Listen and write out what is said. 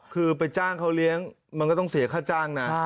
คือไปจ้างเขาเลี้ยงมันก็ต้องเสียค่าจ้างนะ